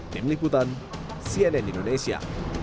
tim liputan cnn indonesia